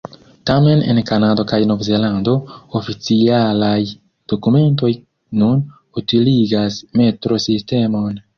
Tamen en Kanado kaj Novzelando, oficialaj dokumentoj nun utiligas metro-sistemon.